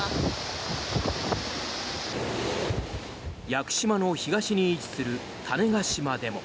屋久島の東に位置する種子島でも。